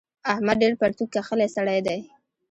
احمد ډېر پرتوګ کښلی سړی دی.